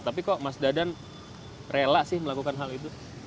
tapi kok mas dadan rela sih melakukan hal itu